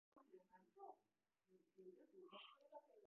バイーア州の州都はサルヴァドールである